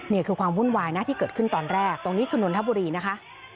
นี่คือความวุ่นวายนะที่เกิดขึ้นตอนแรกตรงนี้คือนนทบุรีนะคะ